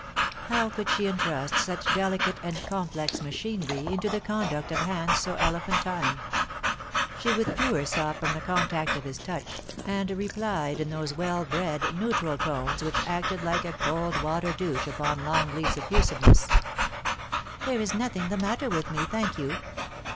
How could she entrust such delicate and com plex machinery into the conduct of hands so elephantine ? She withdrew herself from the contact of his touch, and replied in those well bred neutral tones which acted like a cold water douche upon Longleat's effusiveness :* There is nothing the matter with me, thank you.'